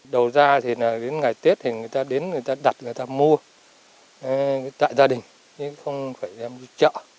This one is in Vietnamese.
đầu ra thì đến ngày tết thì người ta đến người ta đặt người ta mua tại gia đình không phải em chợ